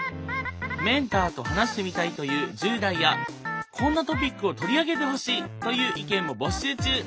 メンターと話してみたいという１０代やこんなトピックを取り上げてほしいという意見も募集中。